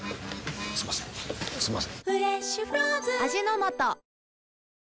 すみませんすみません。